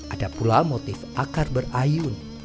ada pula motif akar berayun